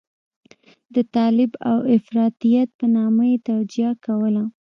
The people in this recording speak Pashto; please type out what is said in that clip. د طالب او افراطيت په نامه یې توجیه کوله.